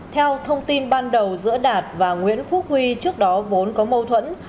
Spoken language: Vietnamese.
theo thông tin ban đầu giữa đạt và nguyễn phúc huy trước đó vốn có mâu thuẫn